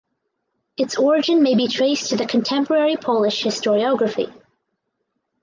Its origin may be traced to the contemporary Polish historiography.